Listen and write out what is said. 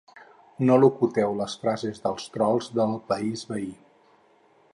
No locuteu les frases dels trols del país veí!